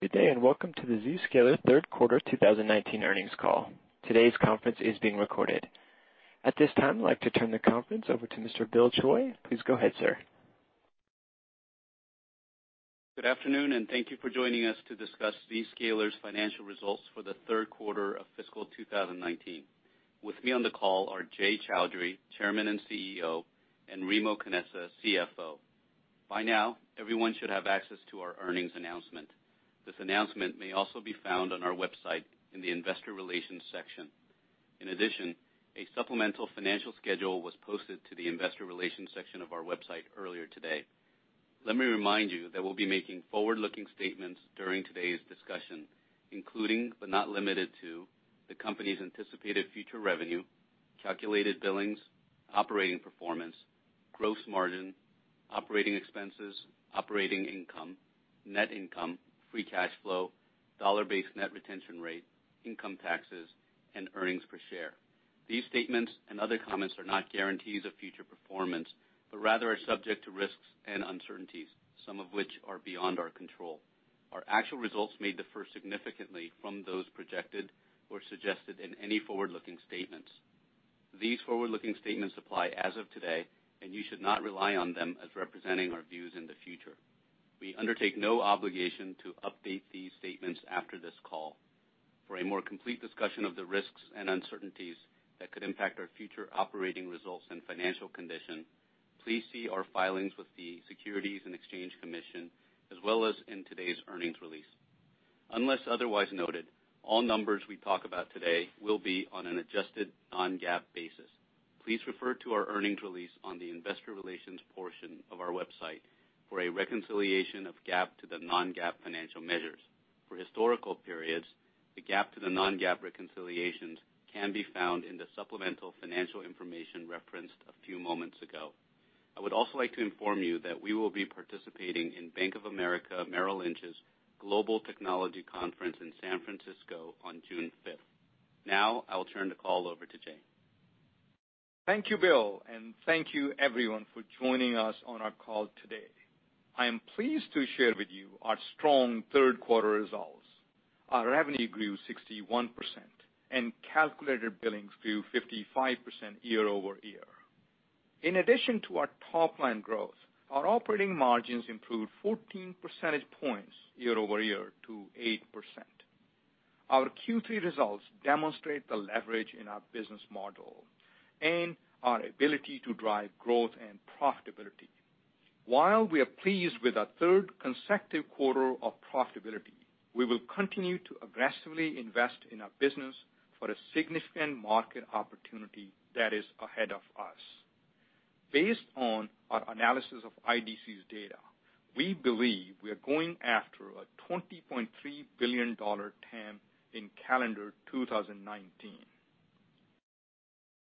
Good day, welcome to the Zscaler third quarter 2019 earnings call. Today's conference is being recorded. At this time, I'd like to turn the conference over to Mr. Bill Choi. Please go ahead, sir. Good afternoon, thank you for joining us to discuss Zscaler's financial results for the third quarter of fiscal 2019. With me on the call are Jay Chaudhry, Chairman and CEO, and Remo Canessa, CFO. By now, everyone should have access to our earnings announcement. This announcement may also be found on our website in the investor relations section. In addition, a supplemental financial schedule was posted to the investor relations section of our website earlier today. Let me remind you that we'll be making forward-looking statements during today's discussion, including, not limited to, the company's anticipated future revenue, calculated billings, operating performance, gross margin, operating expenses, operating income, net income, free cash flow, dollar-based net retention rate, income taxes, and earnings per share. These statements other comments are not guarantees of future performance, rather are subject to risks and uncertainties, some of which are beyond our control. Our actual results may differ significantly from those projected or suggested in any forward-looking statements. These forward-looking statements apply as of today, you should not rely on them as representing our views in the future. We undertake no obligation to update these statements after this call. For a more complete discussion of the risks and uncertainties that could impact our future operating results and financial condition, please see our filings with the Securities and Exchange Commission, as well as in today's earnings release. Unless otherwise noted, all numbers we talk about today will be on an adjusted non-GAAP basis. Please refer to our earnings release on the investor relations portion of our website for a reconciliation of GAAP to the non-GAAP financial measures. For historical periods, the GAAP to the non-GAAP reconciliations can be found in the supplemental financial information referenced a few moments ago. I would also like to inform you that we will be participating in Bank of America Merrill Lynch's Global Technology Conference in San Francisco on June 5th. I will turn the call over to Jay. Thank you, Bill, and thank you everyone for joining us on our call today. I am pleased to share with you our strong third quarter results. Our revenue grew 61%, and calculated billings grew 55% year-over-year. In addition to our top-line growth, our operating margins improved 14 percentage points year-over-year to 8%. Our Q3 results demonstrate the leverage in our business model and our ability to drive growth and profitability. While we are pleased with our third consecutive quarter of profitability, we will continue to aggressively invest in our business for the significant market opportunity that is ahead of us. Based on our analysis of IDC's data, we believe we are going after a $20.3 billion TAM in calendar 2019.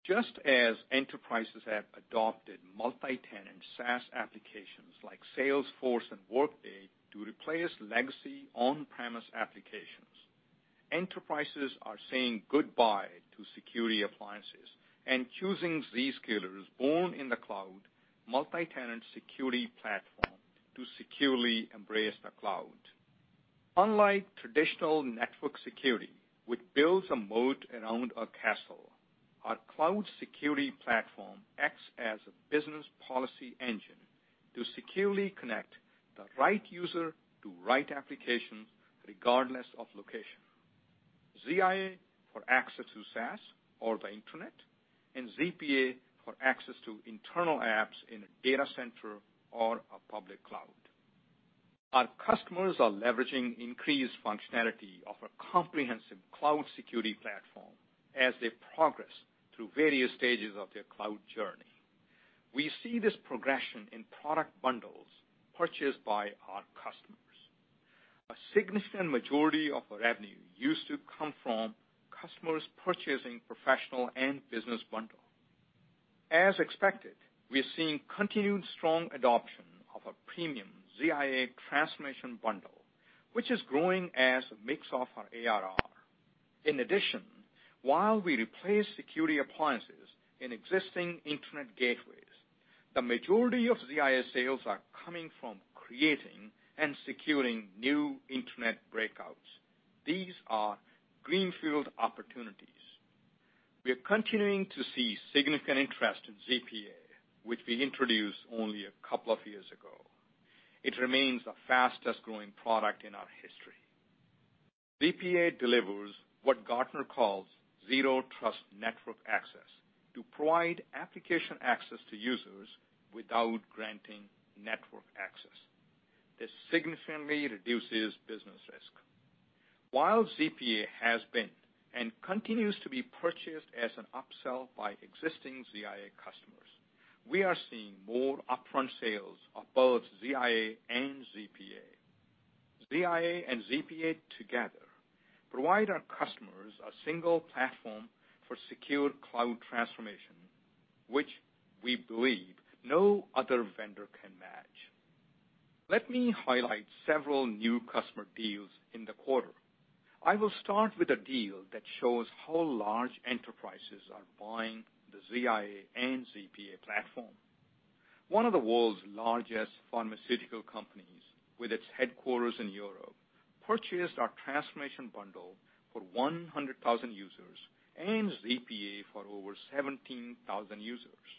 Just as enterprises have adopted multi-tenant SaaS applications like Salesforce and Workday to replace legacy on-premise applications, enterprises are saying goodbye to security appliances and choosing Zscaler's born in the cloud, multi-tenant security platform to securely embrace the cloud. Unlike traditional network security, which builds a moat around a castle, our cloud security platform acts as a business policy engine to securely connect the right user to right applications regardless of location. ZIA for access to SaaS or the internet, and ZPA for access to internal apps in a data center or a public cloud. Our customers are leveraging increased functionality of a comprehensive cloud security platform as they progress through various stages of their cloud journey. We see this progression in product bundles purchased by our customers. A significant majority of our revenue used to come from customers purchasing professional and business bundle. As expected, we are seeing continued strong adoption of our premium ZIA transformation bundle, which is growing as a mix of our ARR. In addition, while we replace security appliances in existing internet gateways, the majority of ZIA sales are coming from creating and securing new internet breakouts. These are greenfield opportunities. We are continuing to see significant interest in ZPA, which we introduced only a couple of years ago. It remains the fastest-growing product in our history. ZPA delivers what Gartner calls Zero Trust Network Access to provide application access to users without granting network access. This significantly reduces business risk. While ZPA has been and continues to be purchased as an upsell by existing ZIA customers, we are seeing more upfront sales of both ZIA and ZPA. ZIA and ZPA together provide our customers a single platform for secure cloud transformation, which we believe no other vendor can match. Let me highlight several new customer deals in the quarter. I will start with a deal that shows how large enterprises are buying the ZIA and ZPA platform. One of the world's largest pharmaceutical companies, with its headquarters in Europe, purchased our transformation bundle for 100,000 users and ZPA for over 17,000 users.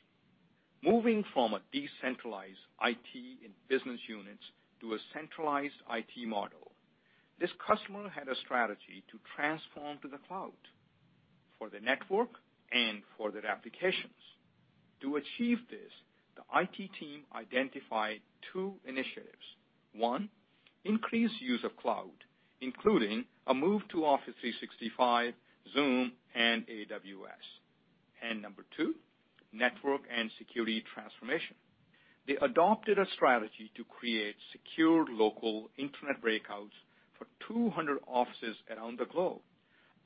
Moving from a decentralized IT in business units to a centralized IT model, this customer had a strategy to transform to the cloud for their network and for their applications. To achieve this, the IT team identified two initiatives. One, increased use of cloud, including a move to Office 365, Zoom, and AWS. Number two, network and security transformation. They adopted a strategy to create secure local internet breakouts for 200 offices around the globe.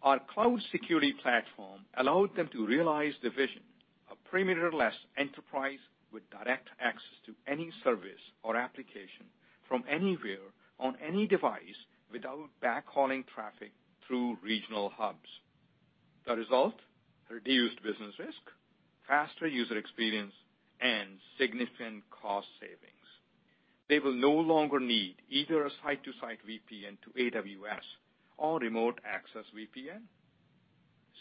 Our cloud security platform allowed them to realize their vision of perimeterless enterprise with direct access to any service or application from anywhere on any device without backhauling traffic through regional hubs. The result, reduced business risk, faster user experience, and significant cost savings. They will no longer need either a site-to-site VPN to AWS or remote access VPN.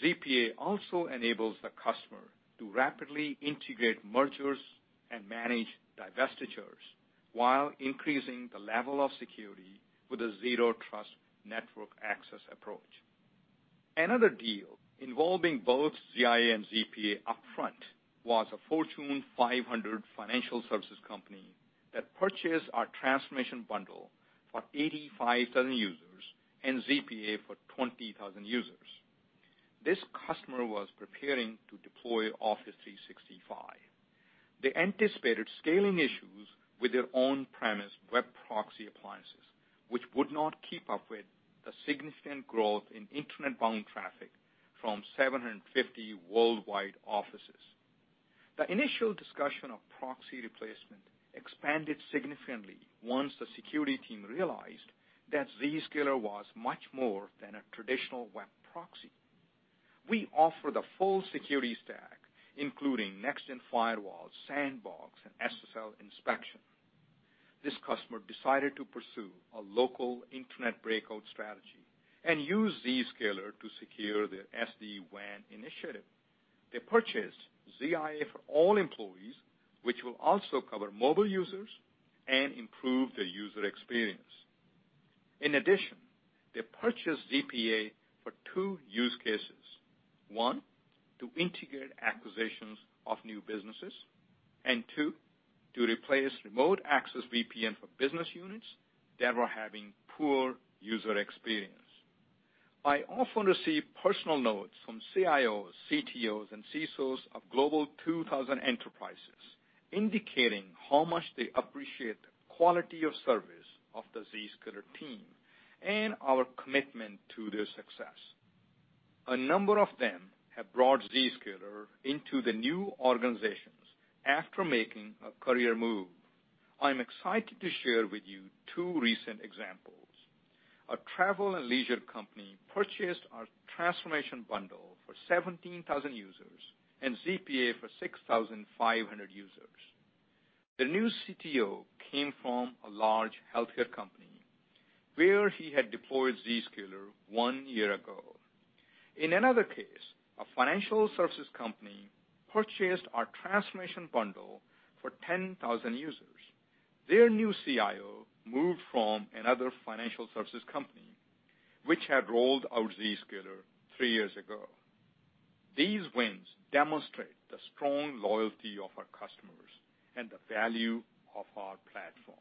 ZPA also enables the customer to rapidly integrate mergers and manage divestitures while increasing the level of security with a Zero Trust Network Access approach. Another deal involving both ZIA and ZPA upfront was a Fortune 500 financial services company that purchased our transformation bundle for 85,000 users and ZPA for 20,000 users. This customer was preparing to deploy Office 365. They anticipated scaling issues with their on-premises web proxy appliances, which would not keep up with the significant growth in internet-bound traffic from 750 worldwide offices. The initial discussion of proxy replacement expanded significantly once the security team realized that Zscaler was much more than a traditional web proxy. We offer the full security stack, including next-gen firewall, sandbox, and SSL inspection. This customer decided to pursue a local internet breakout strategy and use Zscaler to secure their SD-WAN initiative. They purchased ZIA for all employees, which will also cover mobile users and improve their user experience. In addition, they purchased ZPA for two use cases. One, to integrate acquisitions of new businesses, and two, to replace remote access VPN for business units that were having poor user experience. I often receive personal notes from CIOs, CTOs, and CSOs of Global 2000 enterprises indicating how much they appreciate the quality of service of the Zscaler team and our commitment to their success. A number of them have brought Zscaler into the new organizations after making a career move. I'm excited to share with you two recent examples. A travel and leisure company purchased our transformation bundle for 17,000 users and ZPA for 6,500 users. The new CTO came from a large healthcare company where he had deployed Zscaler one year ago. In another case, a financial services company purchased our transformation bundle for 10,000 users. Their new CIO moved from another financial services company, which had rolled out Zscaler three years ago. These wins demonstrate the strong loyalty of our customers and the value of our platform.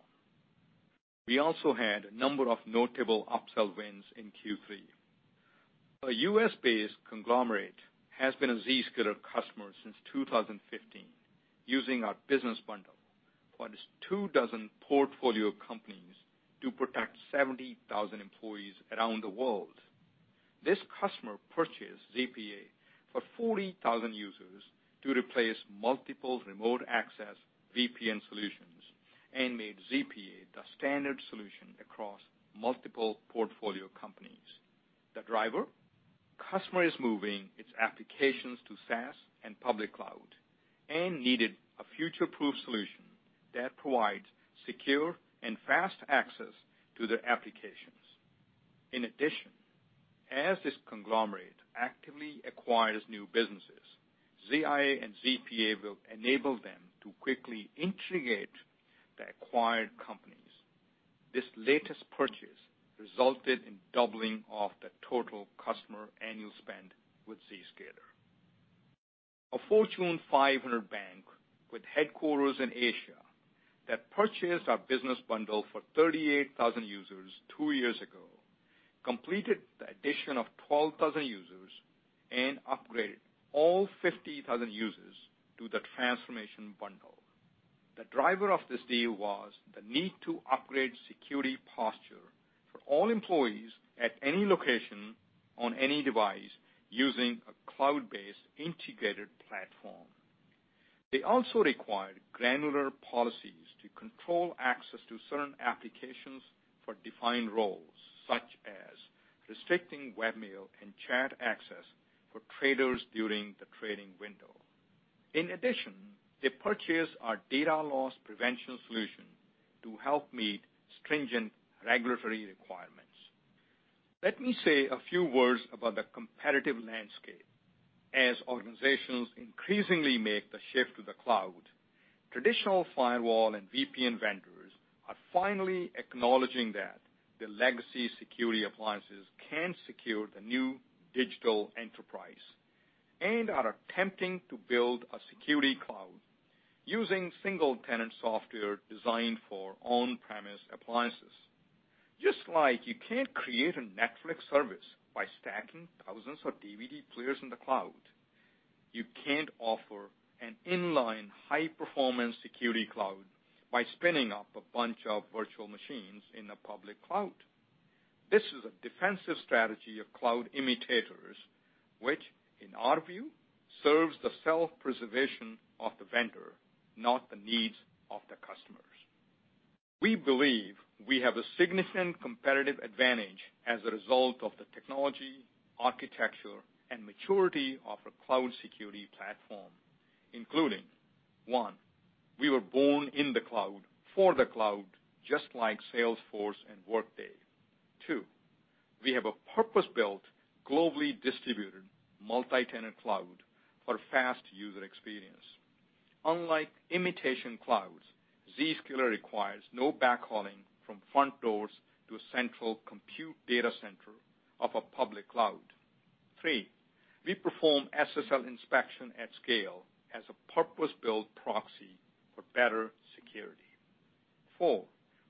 We also had a number of notable upsell wins in Q3. A U.S.-based conglomerate has been a Zscaler customer since 2015, using our business bundle for its two dozen portfolio companies to protect 70,000 employees around the world. This customer purchased ZPA for 40,000 users to replace multiple remote access VPN solutions and made ZPA the standard solution across multiple portfolio companies. The driver? Customer is moving its applications to SaaS and public cloud and needed a future-proof solution that provides secure and fast access to their applications. In addition, as this conglomerate actively acquires new businesses, ZIA and ZPA will enable them to quickly integrate the acquired companies. This latest purchase resulted in doubling of the total customer annual spend with Zscaler. A Fortune 500 bank with headquarters in Asia that purchased our business bundle for 38,000 users two years ago completed the addition of 12,000 users and upgraded all 50,000 users to the transformation bundle. The driver of this deal was the need to upgrade security posture for all employees at any location on any device using a cloud-based integrated platform. They also required granular policies to control access to certain applications for defined roles, such as restricting webmail and chat access for traders during the trading window. In addition, they purchase our data loss prevention solution to help meet stringent regulatory requirements. Let me say a few words about the competitive landscape. As organizations increasingly make the shift to the cloud, traditional firewall and VPN vendors are finally acknowledging that their legacy security appliances can't secure the new digital enterprise, and are attempting to build a security cloud using single-tenant software designed for on-premise appliances. Just like you can't create a Netflix service by stacking thousands of DVD players in the cloud, you can't offer an inline high-performance security cloud by spinning up a bunch of virtual machines in a public cloud. This is a defensive strategy of cloud imitators, which, in our view, serves the self-preservation of the vendor, not the needs of the customers. We believe we have a significant competitive advantage as a result of the technology, architecture, and maturity of our cloud security platform, including, one, we were born in the cloud for the cloud, just like Salesforce and Workday. Two, we have a purpose-built, globally distributed multi-tenant cloud for fast user experience. Unlike imitation clouds, Zscaler requires no backhauling from front doors to a central compute data center of a public cloud. Three, we perform SSL inspection at scale as a purpose-built proxy for better security. Four,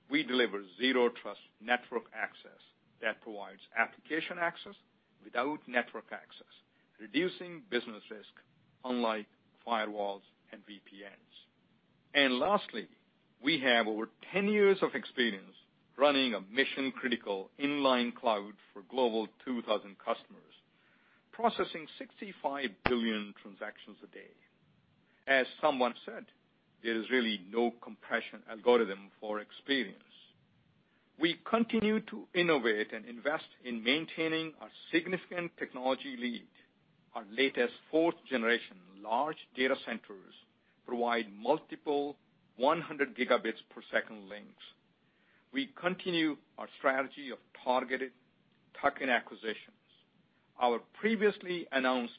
we deliver Zero Trust Network Access that provides application access without network access, reducing business risk unlike firewalls and VPNs. Lastly, we have over 10 years of experience running a mission-critical inline cloud for Global 2000 customers, processing 65 billion transactions a day. As someone said, there is really no compression algorithm for experience. We continue to innovate and invest in maintaining our significant technology lead. Our latest fourth generation large data centers provide multiple 100 Gbps links. We continue our strategy of targeted tuck-in acquisitions. Our previously announced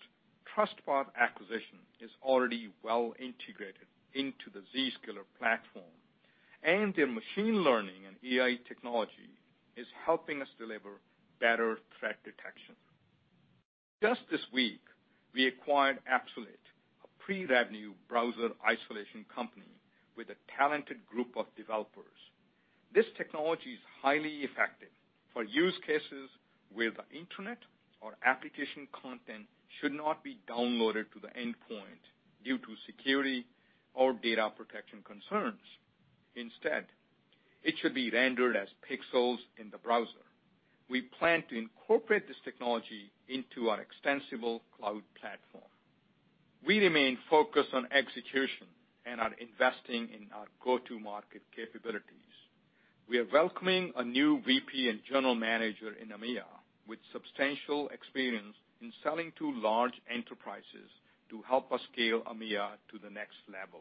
TrustPath acquisition is already well integrated into the Zscaler platform, and their machine learning and AI technology is helping us deliver better threat detection. Just this week, we acquired Appsulate, a pre-revenue browser isolation company with a talented group of developers. This technology is highly effective for use cases where the internet or application content should not be downloaded to the endpoint due to security or data protection concerns. Instead, it should be rendered as pixels in the browser. We plan to incorporate this technology into our extensible cloud platform. We remain focused on execution and on investing in our go-to-market capabilities. We are welcoming a new VP and General Manager in EMEA with substantial experience in selling to large enterprises to help us scale EMEA to the next level.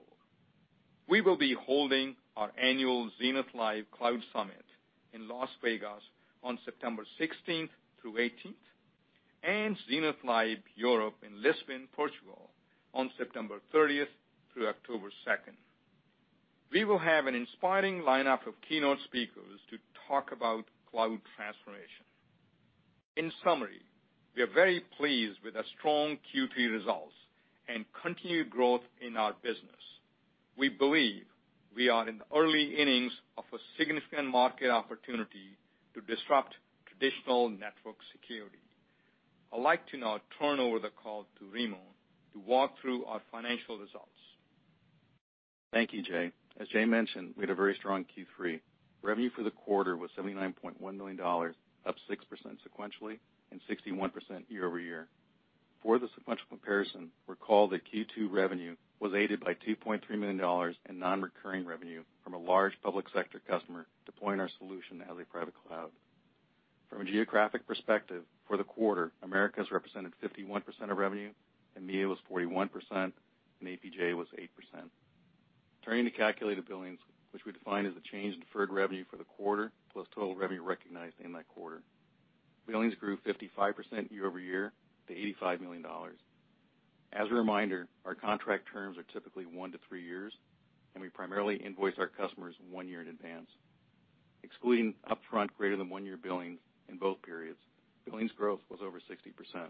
We will be holding our annual Zenith Live Cloud Summit in Las Vegas on September 16th through 18th, and Zenith Live Europe in Lisbon, Portugal, on September 30th through October 2nd. We will have an inspiring lineup of keynote speakers to talk about cloud transformation. In summary, we are very pleased with the strong Q3 results and continued growth in our business. We believe we are in the early innings of a significant market opportunity to disrupt traditional network security. I'd like to now turn over the call to Remo to walk through our financial results. Thank you, Jay. As Jay mentioned, we had a very strong Q3. Revenue for the quarter was $79.1 million, up 6% sequentially and 61% year-over-year. For the sequential comparison, recall that Q2 revenue was aided by $2.3 million in non-recurring revenue from a large public sector customer deploying our solution as a private cloud. From a geographic perspective, for the quarter, Americas represented 51% of revenue, EMEA was 41%, APJ was 8%. Turning to calculated billings, which we define as the change in deferred revenue for the quarter, plus total revenue recognized in that quarter. Billings grew 55% year-over-year to $85 million. As a reminder, our contract terms are typically one to three years, we primarily invoice our customers one year in advance. Excluding upfront greater than one-year billings in both periods, billings growth was over 60%.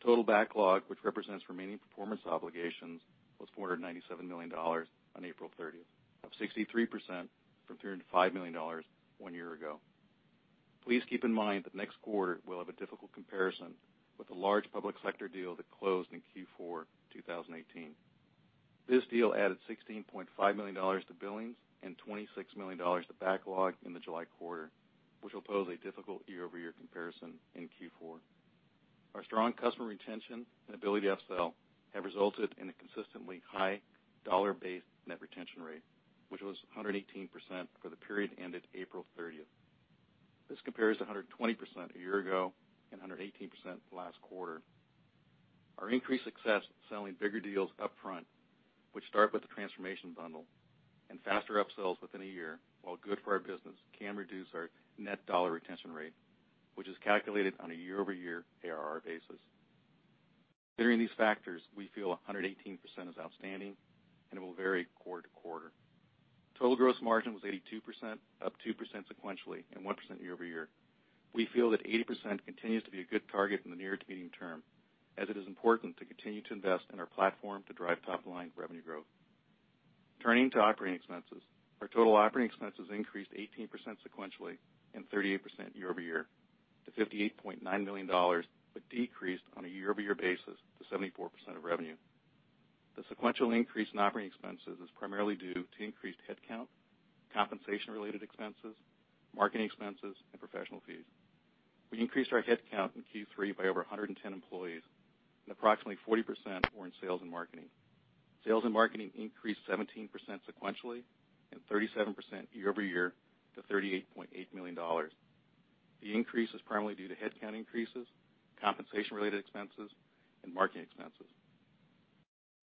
Total backlog, which represents remaining performance obligations, was $497 million on April 30th, up 63% from $305 million one year ago. Please keep in mind that next quarter will have a difficult comparison with the large public sector deal that closed in Q4 2018. This deal added $16.5 million to billings and $26 million to backlog in the July quarter, which will pose a difficult year-over-year comparison in Q4. Our strong customer retention and ability to upsell have resulted in a consistently high dollar-based net retention rate, which was 118% for the period ended April 30th. This compares to 120% a year ago and 118% last quarter. Our increased success selling bigger deals upfront, which start with the transformation bundle, and faster upsells within a year, while good for our business, can reduce our net dollar retention rate, which is calculated on a year-over-year ARR basis. Considering these factors, we feel 118% is outstanding, it will vary quarter-to-quarter. Total gross margin was 82%, up 2% sequentially and 1% year-over-year. We feel that 80% continues to be a good target in the near to medium term, as it is important to continue to invest in our platform to drive top-line revenue growth. Turning to operating expenses. Our total operating expenses increased 18% sequentially and 38% year-over-year to $58.9 million, decreased on a year-over-year basis to 74% of revenue. The sequential increase in operating expenses is primarily due to increased headcount, compensation related expenses, marketing expenses, and professional fees. We increased our headcount in Q3 by over 110 employees, approximately 40% were in sales and marketing. Sales and marketing increased 17% sequentially and 37% year-over-year to $38.8 million. The increase is primarily due to headcount increases, compensation related expenses, and marketing expenses.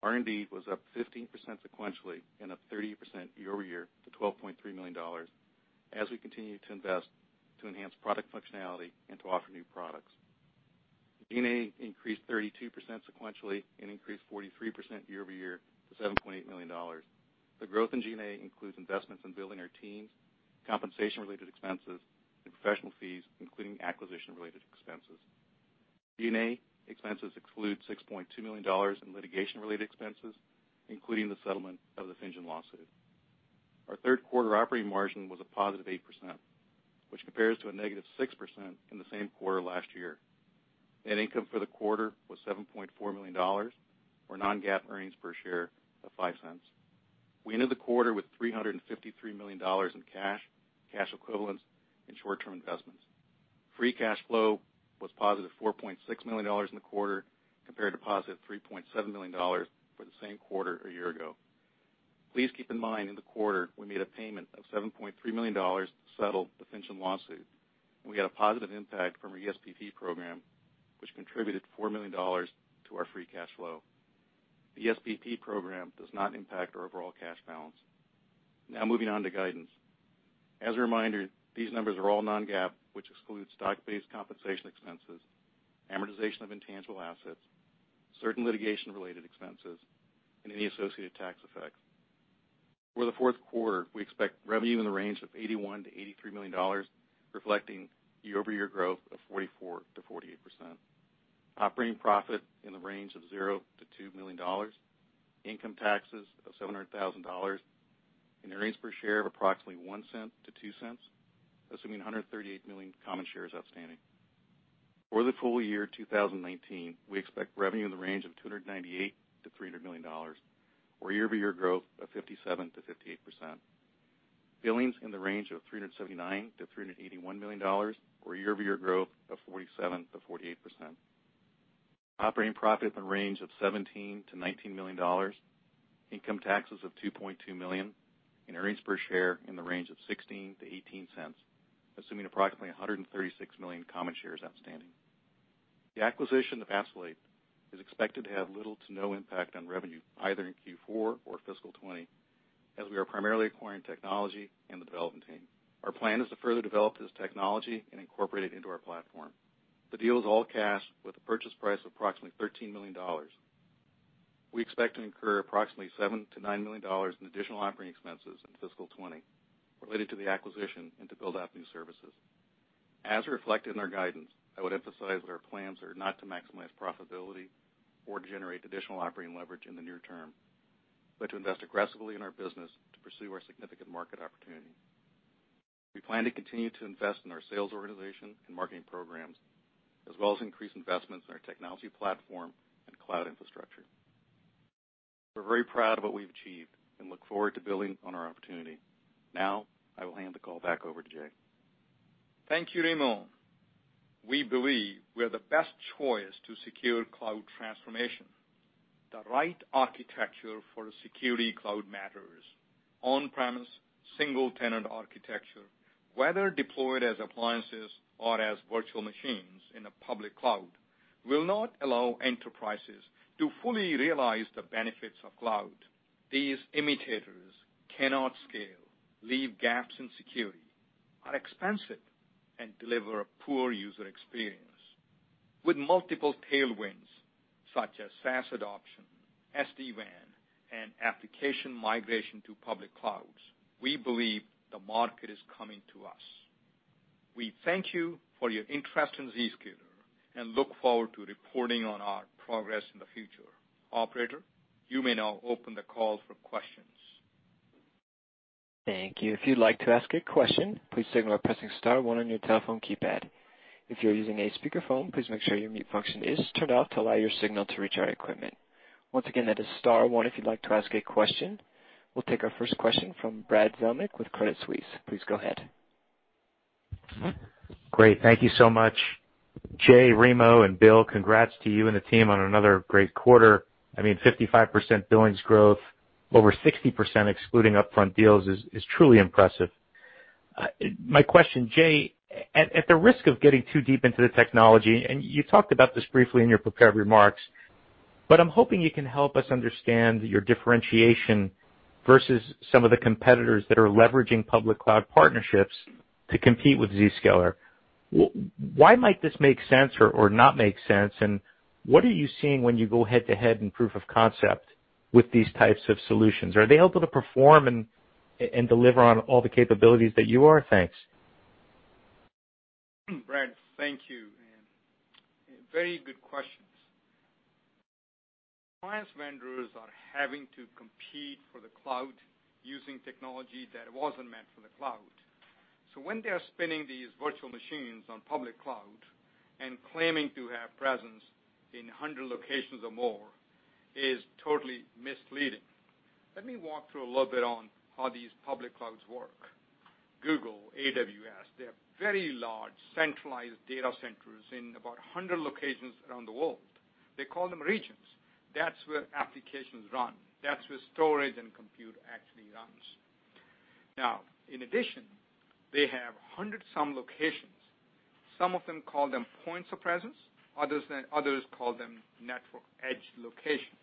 R&D was up 15% sequentially and up 30% year-over-year to $12.3 million, as we continue to invest to enhance product functionality and to offer new products. G&A increased 32% sequentially and increased 43% year-over-year to $7.8 million. The growth in G&A includes investments in building our teams, compensation related expenses, and professional fees, including acquisition related expenses. G&A expenses exclude $6.2 million in litigation related expenses, including the settlement of the Finjan lawsuit. Our third quarter operating margin was a +8%, which compares to a -6% in the same quarter last year. Net income for the quarter was $7.4 million, or non-GAAP earnings per share of $0.05. We ended the quarter with $353 million in cash equivalents, and short-term investments. Free cash flow was positive $4.6 million in the quarter compared to positive $3.7 million for the same quarter a year ago. Please keep in mind in the quarter, we made a payment of $7.3 million to settle the Finjan lawsuit. We had a positive impact from our ESPP program, which contributed $4 million to our free cash flow. The ESPP program does not impact our overall cash balance. Now moving on to guidance. As a reminder, these numbers are all non-GAAP, which excludes stock-based compensation expenses, amortization of intangible assets, certain litigation related expenses, and any associated tax effects. For the fourth quarter, we expect revenue in the range of $81 million-$83 million, reflecting year-over-year growth of 44%-48%. Operating profit in the range of $0-$2 million, income taxes of $700,000, and earnings per share of approximately $0.01-$0.02, assuming 138 million common shares outstanding. For the full year 2019, we expect revenue in the range of $298 million-$300 million, or year-over-year growth of 57%-58%. Billings in the range of $379 million-$381 million, or year-over-year growth of 47%-48%. Operating profit in the range of $17 million-$19 million, income taxes of $2.2 million, and earnings per share in the range of $0.16-$0.18, assuming approximately 136 million common shares outstanding. The acquisition of Appsulate is expected to have little to no impact on revenue either in Q4 or fiscal 2020, as we are primarily acquiring technology and the development team. Our plan is to further develop this technology and incorporate it into our platform. The deal is all cash with a purchase price of approximately $13 million. We expect to incur approximately $7 million-$9 million in additional operating expenses in fiscal 2020 related to the acquisition and to build out new services. As reflected in our guidance, I would emphasize that our plans are not to maximize profitability or generate additional operating leverage in the near term, but to invest aggressively in our business to pursue our significant market opportunity. We plan to continue to invest in our sales organization and marketing programs, as well as increase investments in our technology platform and cloud infrastructure. We are very proud of what we have achieved and look forward to building on our opportunity. Now, I will hand the call back over to Jay. Thank you, Remo. We believe we are the best choice to secure cloud transformation. The right architecture for a security cloud matters. On-premise, single-tenant architecture, whether deployed as appliances or as virtual machines in a public cloud, will not allow enterprises to fully realize the benefits of cloud. These imitators cannot scale, leave gaps in security, are expensive, and deliver a poor user experience. With multiple tailwinds such as fast adoption, SD-WAN, and application migration to public clouds, we believe the market is coming to us. We thank you for your interest in Zscaler and look forward to reporting on our progress in the future. Operator, you may now open the call for questions. Thank you. If you'd like to ask a question, please signal by pressing star one on your telephone keypad. If you're using a speakerphone, please make sure your mute function is turned off to allow your signal to reach our equipment. Once again, that is star one if you'd like to ask a question. We'll take our first question from Brad Zelnick with Credit Suisse. Please go ahead. Great. Thank you so much. Jay, Remo, and Bill, congrats to you and the team on another great quarter. I mean, 55% billings growth, over 60% excluding upfront deals is truly impressive. My question, Jay, at the risk of getting too deep into the technology, and you talked about this briefly in your prepared remarks, but I'm hoping you can help us understand your differentiation versus some of the competitors that are leveraging public cloud partnerships to compete with Zscaler. Why might this make sense or not make sense, and what are you seeing when you go head-to-head in proof of concept with these types of solutions? Are they able to perform and deliver on all the capabilities that you are? Thanks. Brad, thank you. Very good questions. Appliance vendors are having to compete for the cloud using technology that wasn't meant for the cloud. When they are spinning these virtual machines on public cloud and claiming to have presence in 100 locations or more is totally misleading. Let me walk through a little bit on how these public clouds work. Google, AWS, they're very large, centralized data centers in about 100 locations around the world. They call them regions. That's where applications run. That's where storage and compute actually runs. Now, in addition, they have 100 some locations. Some of them call them points of presence, others call them network edge locations.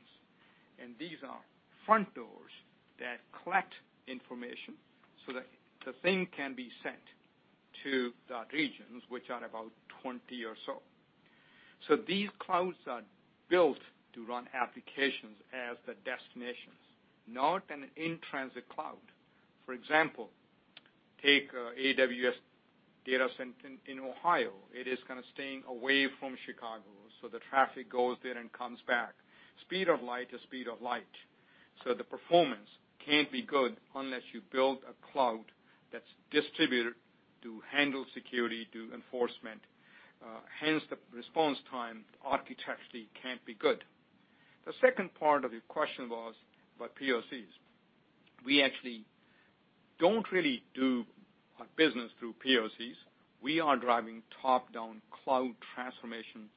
These are front doors that collect information so that the thing can be sent to the regions, which are about 20 or so. These clouds are built to run applications as the destinations, not an in-transit cloud. For example, take AWS data center in Ohio. It is kind of staying away from Chicago. The traffic goes there and comes back. Speed of light is speed of light. The performance can't be good unless you build a cloud that's distributed to handle security, do enforcement, hence the response time architecturally can't be good. The second part of your question was about POCs. We actually don't really do our business through POCs. We are driving top-down cloud transformation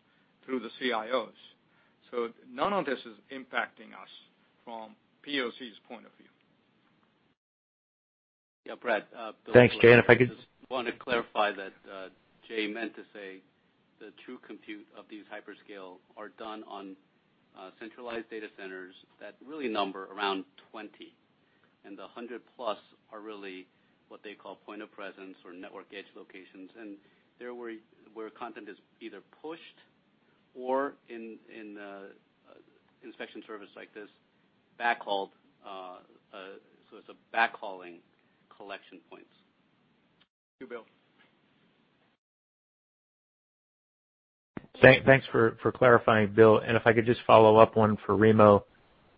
through the CIOs. None of this is impacting us from POC's point of view. Yeah, Brad. Thanks, Jay. If I could- Just want to clarify that Jay meant to say the true compute of these hyperscale are done on centralized data centers that really number around 20, and the 100 plus are really what they call point of presence or network edge locations. They're where content is either pushed or in a inspection service like this, backhauled. It's a backhauling collection points. Thank you, Bill. Thanks for clarifying, Bill. If I could just follow up one for Remo.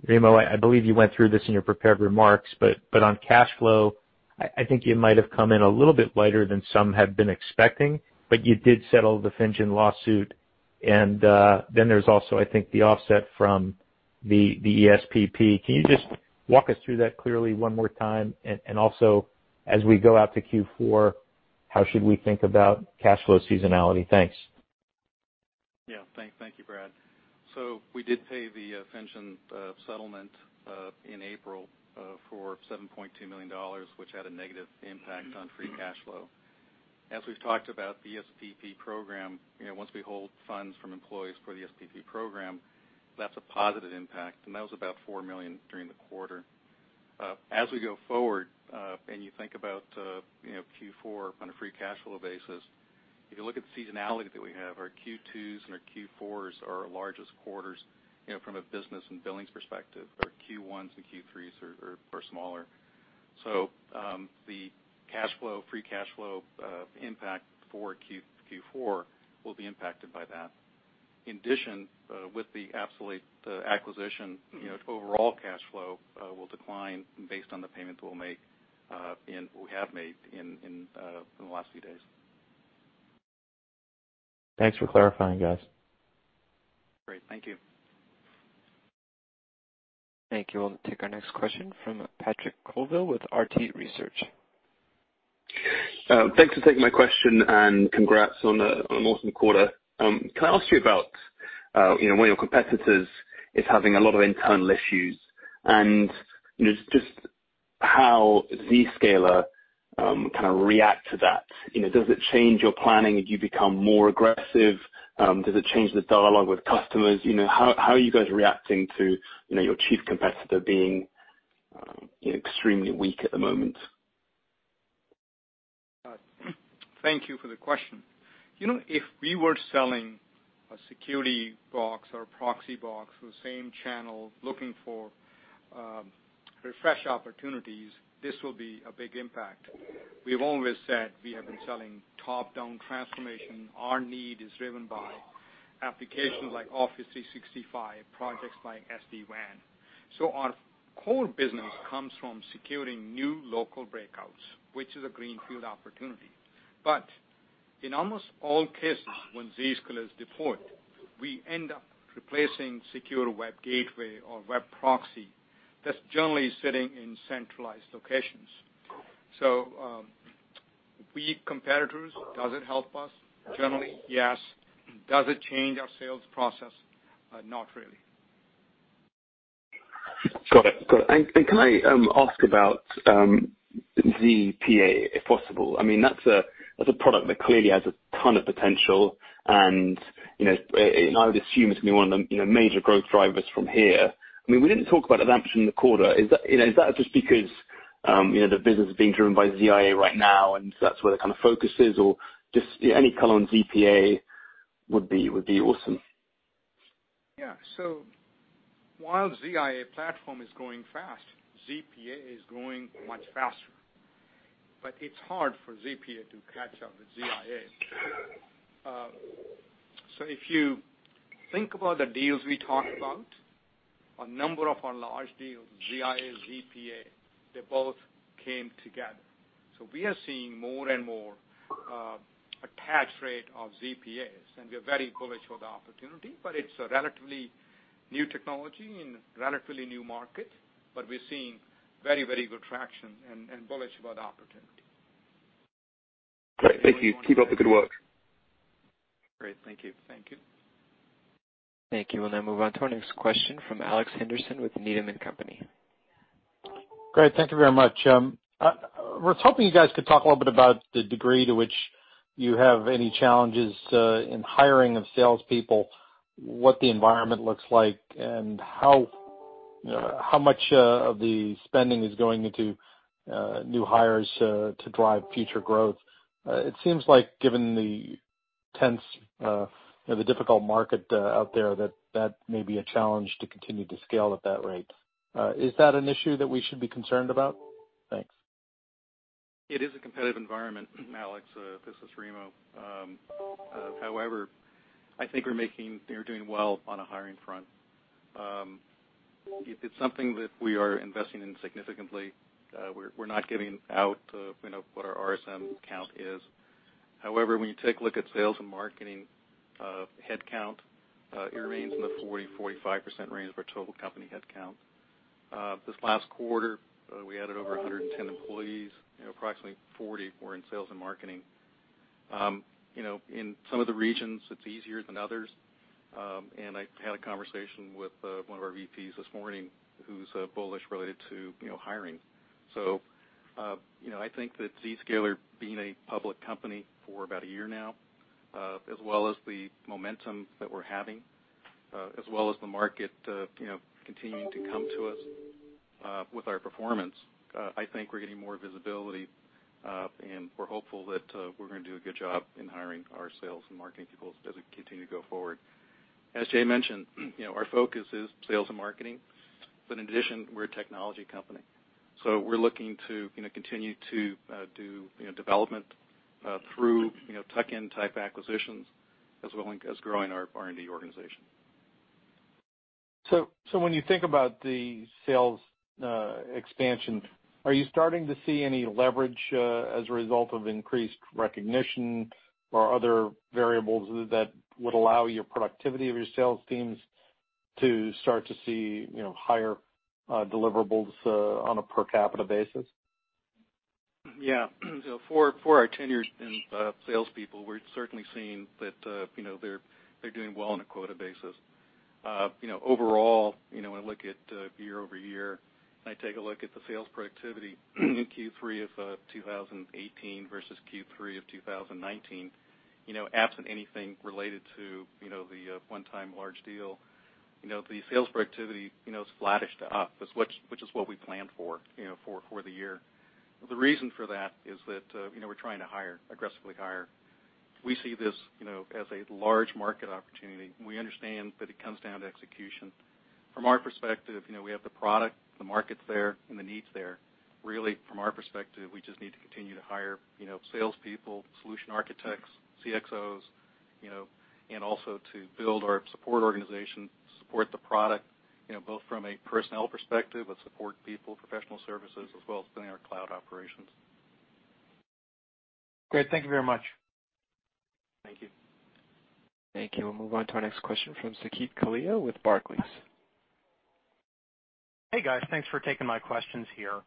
Remo, I believe you went through this in your prepared remarks, but on cash flow, I think you might have come in a little bit lighter than some had been expecting, but you did settle the Finjan lawsuit. Then there's also, I think, the offset from the ESPP. Can you just walk us through that clearly one more time? Also, as we go out to Q4, how should we think about cash flow seasonality? Thanks. Thank you, Brad. We did pay the Finjan settlement, in April for $7.2 million, which had a negative impact on free cash flow. As we've talked about the ESPP program, once we hold funds from employees for the ESPP program, that's a positive impact, and that was about $4 million during the quarter. As we go forward, you think about Q4 on a free cash flow basis, if you look at seasonality that we have, our Q2s and our Q4s are our largest quarters, from a business and billings perspective. Our Q1s and Q3s are smaller. The cash flow, free cash flow impact for Q4 will be impacted by that. In addition, with the Appsulate acquisition, overall cash flow will decline based on the payments we'll make, and we have made in the last few days. Thanks for clarifying, guys. Great. Thank you. Thank you. We'll take our next question from Patrick Colville with Arete Research. Thanks for taking my question, congrats on an awesome quarter. Can I ask you about one of your competitors is having a lot of internal issues, and just how Zscaler kind of react to that. Does it change your planning? Do you become more aggressive? Does it change the dialogue with customers? How are you guys reacting to your chief competitor being extremely weak at the moment? Thank you for the question. If we were selling a security box or a proxy box through the same channel looking for refresh opportunities, this will be a big impact. We've always said we have been selling top-down transformation. Our need is driven by applications like Office 365, projects like SD-WAN. Our core business comes from securing new local breakouts, which is a greenfield opportunity. In almost all cases when Zscaler is deployed, we end up replacing secure web gateway or web proxy that's generally sitting in centralized locations. We competitors, does it help us? Generally, yes. Does it change our sales process? Not really. Got it. Can I ask about ZPA, if possible? That's a product that clearly has a ton of potential, and I would assume it's going to be one of the major growth drivers from here. We didn't talk about it that much in the quarter. Is that just because the business is being driven by ZIA right now, that's where the focus is? Just any color on ZPA would be awesome. Yeah. While ZIA platform is growing fast, ZPA is growing much faster. It's hard for ZPA to catch up with ZIA. If you think about the deals we talked about, a number of our large deals, ZIA, ZPA, they both came together. We are seeing more and more attach rate of ZPAs, and we are very bullish for the opportunity, it's a relatively new technology in a relatively new market. We're seeing very good traction and bullish about the opportunity. Great. Thank you. Keep up the good work. Great. Thank you. Thank you. We'll now move on to our next question from Alex Henderson with Needham & Company. Great. Thank you very much. I was hoping you guys could talk a little bit about the degree to which you have any challenges in hiring of salespeople, what the environment looks like, and how much of the spending is going into new hires to drive future growth. It seems like given the tense, the difficult market out there, that may be a challenge to continue to scale at that rate. Is that an issue that we should be concerned about? Thanks. It is a competitive environment, Alex. This is Remo. I think we're doing well on a hiring front. It's something that we are investing in significantly. We're not giving out what our RSM count is. When you take a look at sales and marketing headcount, it remains in the 40%-45% range of our total company headcount. This last quarter, we added over 110 employees. Approximately 40 were in sales and marketing. In some of the regions, it's easier than others. I had a conversation with one of our VPs this morning, who's bullish related to hiring. I think that Zscaler being a public company for about a year now, as well as the momentum that we're having, as well as the market continuing to come to us with our performance, I think we're getting more visibility, and we're hopeful that we're going to do a good job in hiring our sales and marketing people as we continue to go forward. As Jay mentioned, our focus is sales and marketing. In addition, we're a technology company. We're looking to continue to do development through tuck-in type acquisitions, as well as growing our R&D organization. When you think about the sales expansion, are you starting to see any leverage as a result of increased recognition or other variables that would allow your productivity of your sales teams to start to see higher deliverables on a per capita basis? Yeah. For our tenured salespeople, we're certainly seeing that they're doing well on a quota basis. Overall, when I look at year-over-year, and I take a look at the sales productivity in Q3 of 2018 versus Q3 of 2019, absent anything related to the one-time large deal, the sales productivity, it's flattish to up, which is what we planned for the year. The reason for that is that we're trying to aggressively hire. We see this as a large market opportunity. We understand that it comes down to execution. From our perspective, we have the product, the market's there, and the need's there. From our perspective, we just need to continue to hire salespeople, solution architects, CXOs, and also to build our support organization to support the product, both from a personnel perspective with support people, professional services, as well as building our cloud operations. Great. Thank you very much. Thank you. Thank you. We'll move on to our next question from Saket Kalia with Barclays. Hey, guys. Thanks for taking my questions here.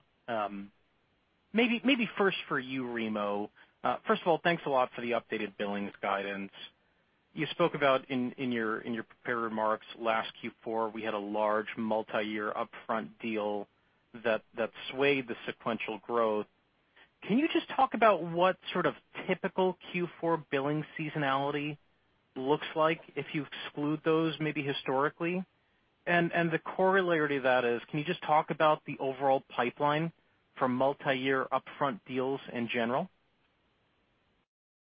Maybe first for you, Remo. First of all, thanks a lot for the updated billings guidance. You spoke about in your prepared remarks, last Q4, we had a large multi-year upfront deal that swayed the sequential growth. Can you just talk about what sort of typical Q4 billing seasonality looks like if you exclude those, maybe historically? The corollary to that is, can you just talk about the overall pipeline for multi-year upfront deals in general?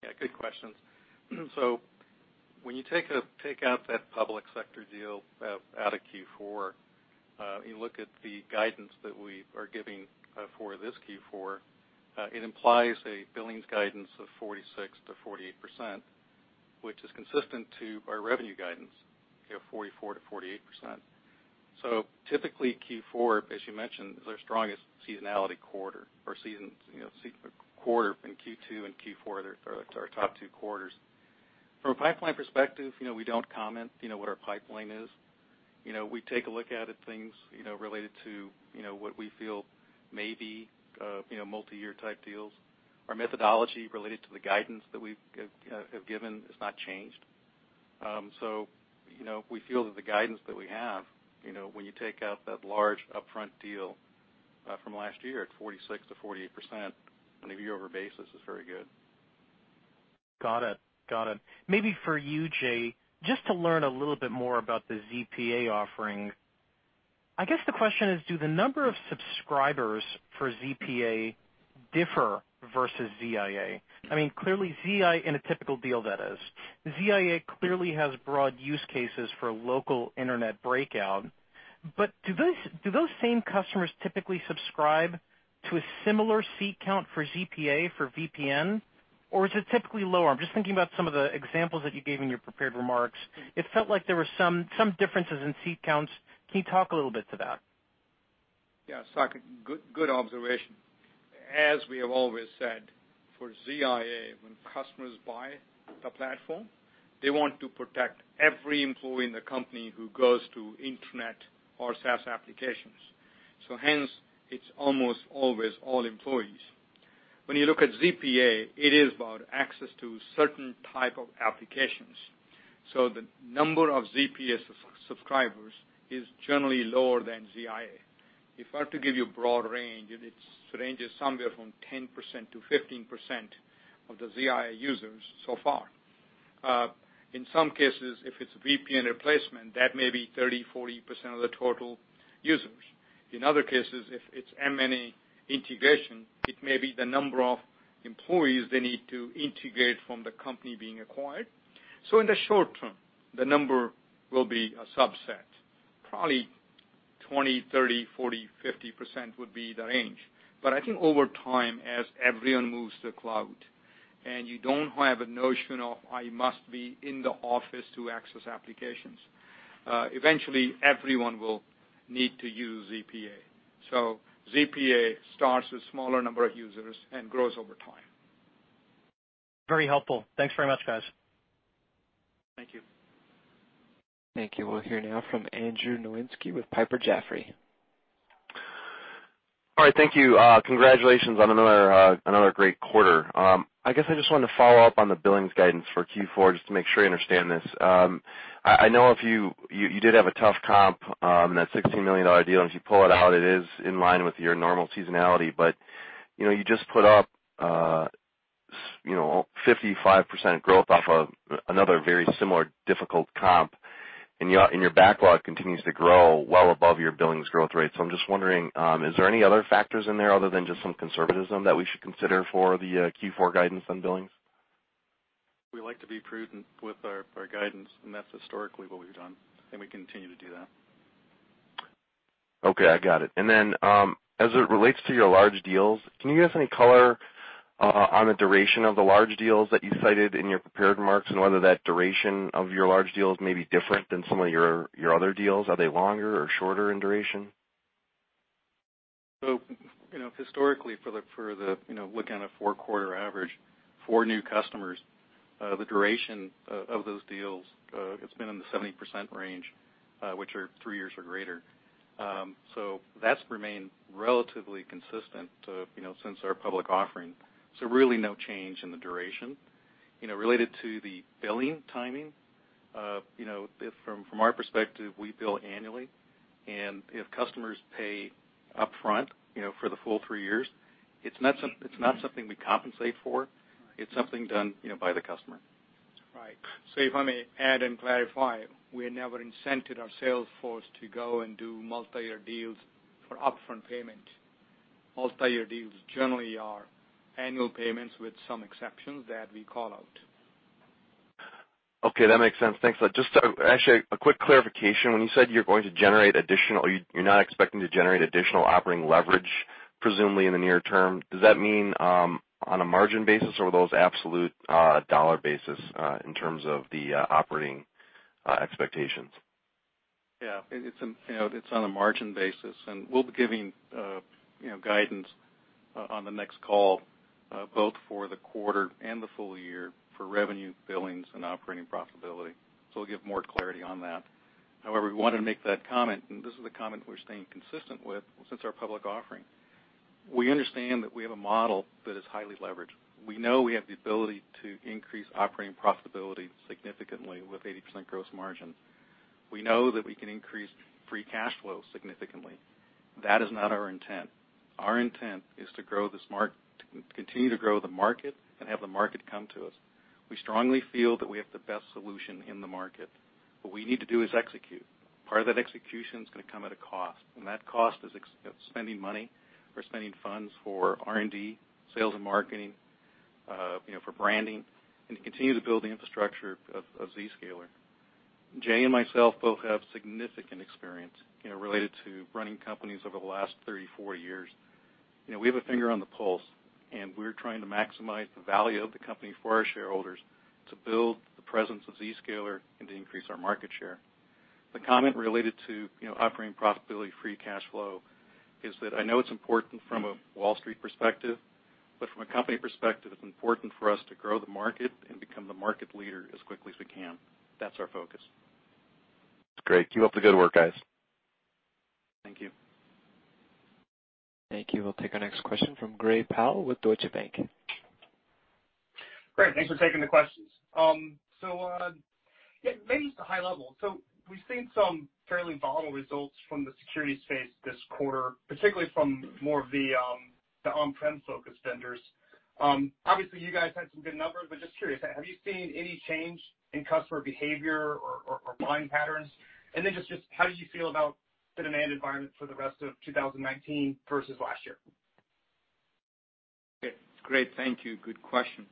Yeah, good questions. When you take out that public sector deal out of Q4, you look at the guidance that we are giving for this Q4, it implies a billings guidance of 46%-48%. Which is consistent to our revenue guidance, 44%-48%. Typically Q4, as you mentioned, is our strongest seasonality quarter or quarter in Q2 and Q4 are our top two quarters. From a pipeline perspective, we don't comment what our pipeline is. We take a look at things related to what we feel may be multi-year type deals. Our methodology related to the guidance that we have given has not changed. We feel that the guidance that we have, when you take out that large upfront deal from last year at 46%-48% on a year-over basis is very good. Got it. Maybe for you, Jay, just to learn a little bit more about the ZPA offering. I guess the question is, do the number of subscribers for ZPA differ versus ZIA? In a typical deal, that is. ZIA clearly has broad use cases for local internet breakout, but do those same customers typically subscribe to a similar seat count for ZPA for VPN, or is it typically lower? I'm just thinking about some of the examples that you gave in your prepared remarks. It felt like there were some differences in seat counts. Can you talk a little bit to that? Yeah. Good observation. As we have always said, for ZIA, when customers buy the platform, they want to protect every employee in the company who goes to internet or SaaS applications. Hence, it's almost always all employees. When you look at ZPA, it is about access to certain type of applications. The number of ZPA subscribers is generally lower than ZIA. If I were to give you a broad range, it ranges somewhere from 10%-15% of the ZIA users so far. In some cases, if it's a VPN replacement, that may be 30%-40% of the total users. In other cases, if it's M&A integration, it may be the number of employees they need to integrate from the company being acquired. In the short term, the number will be a subset. Probably 20%, 30%, 40%, 50% would be the range. I think over time, as everyone moves to the cloud and you don't have a notion of I must be in the office to access applications, eventually everyone will need to use ZPA. ZPA starts with smaller number of users and grows over time. Very helpful. Thanks very much, guys. Thank you. Thank you. We'll hear now from Andrew Nowinski with Piper Jaffray. All right. Thank you. Congratulations on another great quarter. I guess I just wanted to follow up on the billings guidance for Q4, just to make sure I understand this. I know you did have a tough comp on that $16 million deal. Once you pull it out, it is in line with your normal seasonality. You just put up 55% growth off of another very similar difficult comp, and your backlog continues to grow well above your billings growth rate. I'm just wondering, is there any other factors in there other than just some conservatism that we should consider for the Q4 guidance on billings? We like to be prudent with our guidance, and that's historically what we've done, and we continue to do that. Okay, I got it. As it relates to your large deals, can you give us any color on the duration of the large deals that you cited in your prepared remarks, and whether that duration of your large deals may be different than some of your other deals? Are they longer or shorter in duration? Historically, looking at a four quarter average for new customers, the duration of those deals has been in the 70% range, which are three years or greater. That's remained relatively consistent since our public offering. Really no change in the duration. Related to the billing timing, from our perspective, we bill annually, and if customers pay upfront for the full three years, it's not something we compensate for. It's something done by the customer. Right. If I may add and clarify, we never incented our sales force to go and do multi-year deals for upfront payment. Multi-year deals generally are annual payments with some exceptions that we call out. Okay, that makes sense. Thanks. Just actually a quick clarification. When you said you're not expecting to generate additional operating leverage, presumably in the near term, does that mean on a margin basis, or are those absolute dollar basis in terms of the operating expectations? Yeah. It's on a margin basis, we'll be giving guidance on the next call both for the quarter and the full year for revenue billings and operating profitability. We'll give more clarity on that. However, we want to make that comment, and this is a comment we're staying consistent with since our public offering. We understand that we have a model that is highly leveraged. We know we have the ability to increase operating profitability significantly with 80% gross margin. We know that we can increase free cash flow significantly. That is not our intent. Our intent is to continue to grow the market and have the market come to us. We strongly feel that we have the best solution in the market. What we need to do is execute. Part of that execution is going to come at a cost, and that cost is spending money. We're spending funds for R&D, sales and marketing, for branding, and to continue to build the infrastructure of Zscaler. Jay and myself both have significant experience related to running companies over the last 34 years. We have a finger on the pulse, and we're trying to maximize the value of the company for our shareholders to build the presence of Zscaler and to increase our market share. The comment related to operating profitability, free cash flow, is that I know it's important from a Wall Street perspective, but from a company perspective, it's important for us to grow the market and become the market leader as quickly as we can. That's our focus. That's great. Keep up the good work, guys. Thank you. Thank you. We'll take our next question from Gray Powell with Deutsche Bank. Great. Thanks for taking the questions. Maybe just a high level. We've seen some fairly volatile results from the security space this quarter, particularly from more of the on-prem focused vendors. Obviously, you guys had some good numbers. Just curious, have you seen any change in customer behavior or buying patterns? Just how do you feel about the demand environment for the rest of 2019 versus last year? Okay. Great. Thank you. Good question.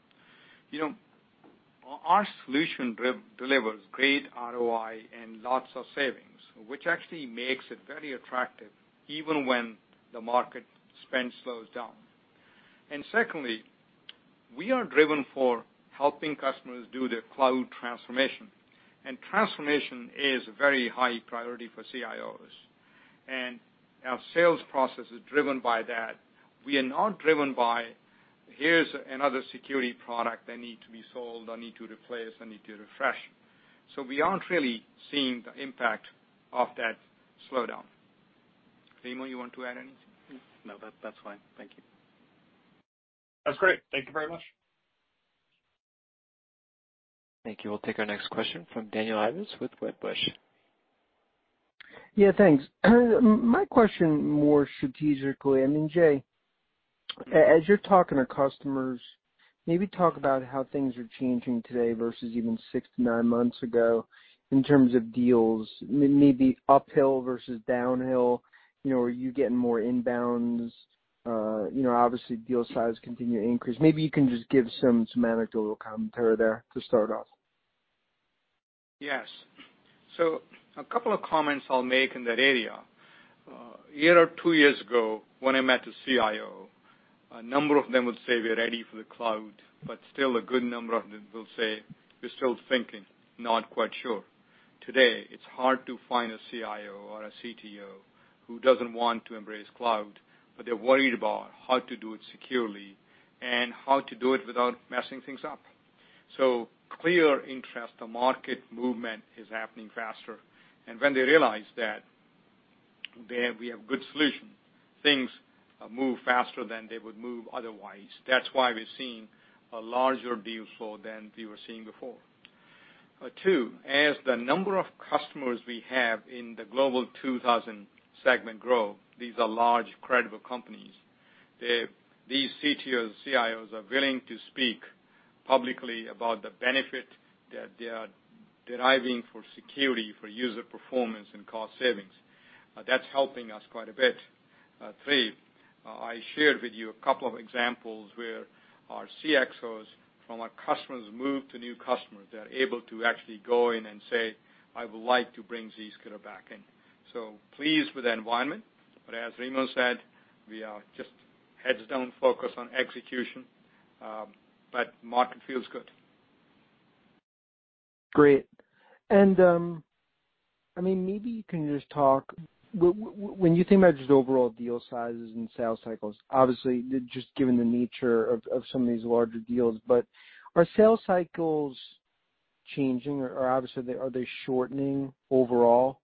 Our solution delivers great ROI and lots of savings, which actually makes it very attractive even when the market spend slows down. Secondly, we are driven for helping customers do their cloud transformation, and transformation is a very high priority for CIOs, and our sales process is driven by that. We are not driven by, here's another security product that need to be sold or need to replace or need to refresh. We aren't really seeing the impact of that slowdown. Remo, you want to add anything? No, that's fine. Thank you. That's great. Thank you very much. Thank you. We'll take our next question from Daniel Ives with Wedbush. Yeah, thanks. My question more strategically, I mean, Jay, as you're talking to customers, maybe talk about how things are changing today versus even six to nine months ago in terms of deals, maybe uphill versus downhill. Are you getting more inbounds? Obviously, deal size continue to increase. Maybe you can just give some anecdotal commentary there to start off. Yes. A couple of comments I'll make in that area. A year or two years ago, when I met a CIO, a number of them would say, "We're ready for the cloud," but still a good number of them will say, "We're still thinking, not quite sure." Today, it's hard to find a CIO or a CTO who doesn't want to embrace cloud, but they're worried about how to do it securely and how to do it without messing things up. Clear interest. The market movement is happening faster. When they realize that we have good solution, things move faster than they would move otherwise. That's why we're seeing a larger deal flow than we were seeing before. Two, as the number of customers we have in the Global 2000 segment grow, these are large, credible companies. These CTOs, CIOs are willing to speak publicly about the benefit that they are deriving for security, for user performance, and cost savings. That's helping us quite a bit. Three, I shared with you a couple of examples where our CXOs from our customers move to new customers. They're able to actually go in and say, "I would like to bring Zscaler back in." Pleased with the environment, but as Remo said, we are just heads down focused on execution. Market feels good. Great. Maybe you can just talk, when you think about just overall deal sizes and sales cycles, obviously, just given the nature of some of these larger deals, but are sales cycles changing or obviously, are they shortening overall,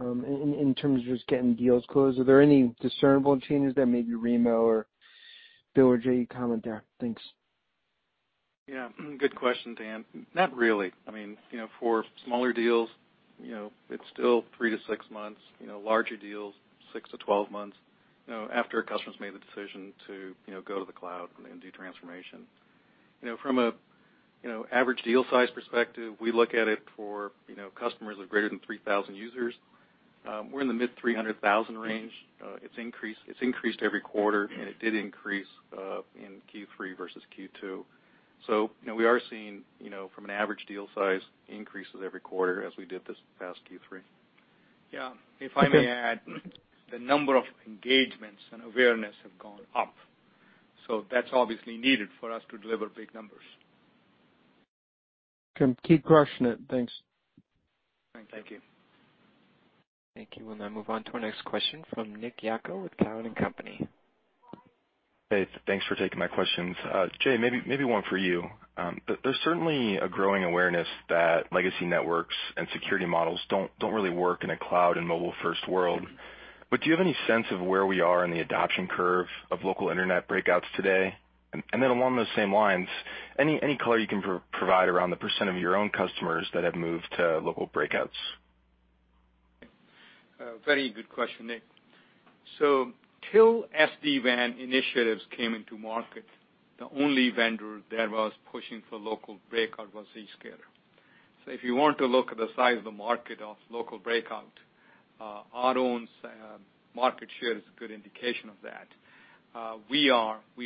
in terms of just getting deals closed? Are there any discernible changes there? Maybe Remo or Bill or Jay, comment there. Thanks. Yeah. Good question, Daniel. Not really. For smaller deals, it's still three-six months. Larger deals, 6-12 months, after a customer's made the decision to go to the cloud and do transformation. From a average deal size perspective, we look at it for customers with greater than 3,000 users. We're in the mid $300,000 range. It's increased every quarter, and it did increase in Q3 versus Q2. We are seeing, from an average deal size, increases every quarter as we did this past Q3. Yeah. If I may add, the number of engagements and awareness have gone up. That's obviously needed for us to deliver big numbers. Okay. Keep crushing it. Thanks. Thank you. Thank you. Thank you. We'll now move on to our next question from Nick Yakob with Cowen and Company. Hey, thanks for taking my questions. Jay, maybe one for you. Do you have any sense of where we are in the adoption curve of local internet breakouts today? And along those same lines, any color you can provide around the % of your own customers that have moved to local breakouts? Very good question, Nick. Till SD-WAN initiatives came into market, the only vendor that was pushing for local breakout was Zscaler. If you want to look at the size of the market of local breakout. Our own market share is a good indication of that. We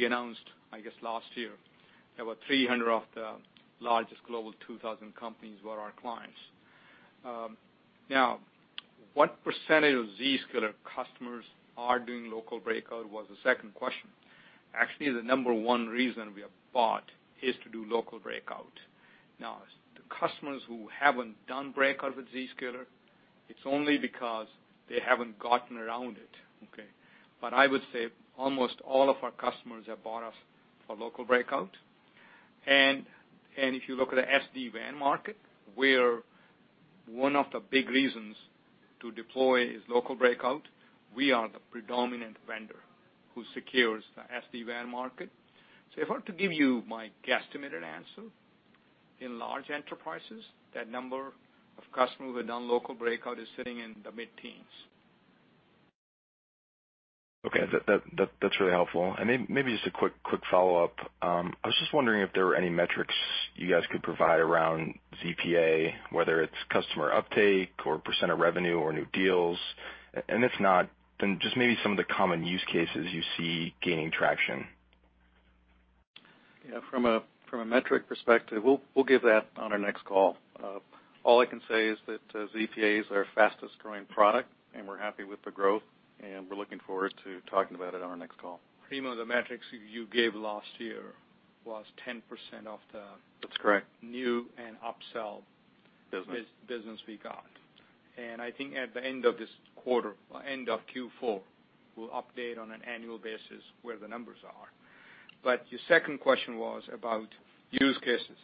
announced, I guess, last year, about 300 of the largest Global 2000 companies were our clients. What percentage of Zscaler customers are doing local breakout was the second question. Actually, the number one reason we are bought is to do local breakout. The customers who haven't done breakout with Zscaler, it's only because they haven't gotten around it, okay? I would say almost all of our customers have bought us for local breakout. If you look at the SD-WAN market, where one of the big reasons to deploy is local breakout, we are the predominant vendor who secures the SD-WAN market. If I were to give you my guesstimated answer, in large enterprises, that number of customers who have done local breakout is sitting in the mid-teens. Okay. That's really helpful. Maybe just a quick follow-up. I was just wondering if there were any metrics you guys could provide around ZPA, whether it's customer uptake or % of revenue or new deals. If not, then just maybe some of the common use cases you see gaining traction. From a metric perspective, we'll give that on our next call. All I can say is that ZPA is our fastest-growing product, and we're happy with the growth, and we're looking forward to talking about it on our next call. Remo, the metrics you gave last year was 10% of the That's correct new and upsell Business business we got. I think at the end of this quarter, end of Q4, we'll update on an annual basis where the numbers are. Your second question was about use cases.